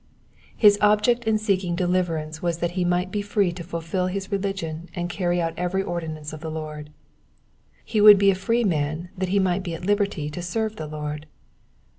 His object in seeking deli verance was that be might be free to fulfil his religion and carry out every ordinance of the Lord. He would be a free man that he might be at liberty to serve the Lord.